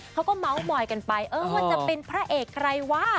เขาก็เมาส์มอยกันไปเออว่าจะเป็นพระเอกใครวะ